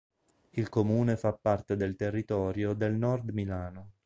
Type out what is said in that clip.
Il comune fa parte del territorio del Nord Milano.